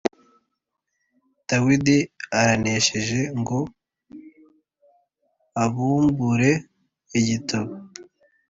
Dawidi aranesheje ngo abumbure igitabo